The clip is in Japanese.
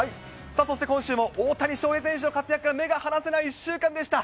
そして今週も大谷翔平選手の活躍から目が離せない１週間でした。